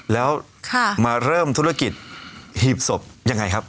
แล้วมาเริ่มธุรกิจหีบศพยังไงครับ